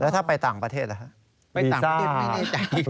แล้วถ้าไปต่างประเทศหรือครับ